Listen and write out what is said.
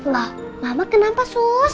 lah mama kenapa sus